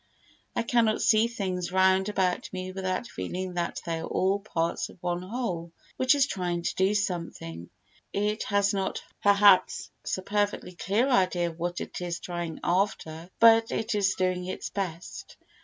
I cannot see things round about me without feeling that they are all parts of one whole which is trying to do something; it has not perhaps a perfectly clear idea of what it is trying after, but it is doing its best.